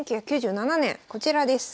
１９９７年こちらです。